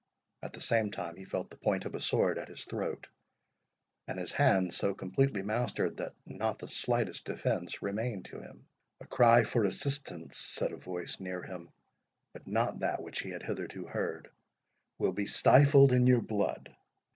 At the same time he felt the point of a sword at his throat, and his hands so completely mastered, that not the slightest defence remained to him. "A cry for assistance," said a voice near him, but not that which he had hitherto heard, "will be stifled in your blood!